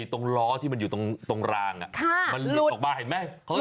ตรงล้อที่มันอยู่ตรงรางมันหลุดออกมาเห็นไหม